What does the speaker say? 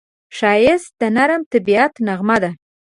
ښایست د نرم طبیعت نغمه ده